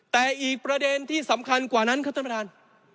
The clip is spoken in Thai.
แต่อีกประเด็นที่สำคัญกว่านั้นครับท่านประธาน